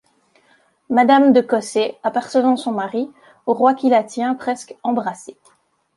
Madame de Cossé, apercevant son mari, au Roi qui la tient presque embrassée.